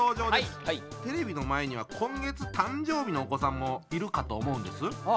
テレビの前には今月誕生日のお子さんもいるかと思うんです。